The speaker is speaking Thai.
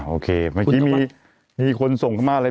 โอเคเมื่อกี้มีคนส่งมาแล้ว